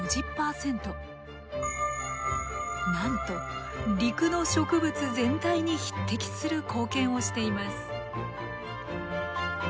なんと陸の植物全体に匹敵する貢献をしています。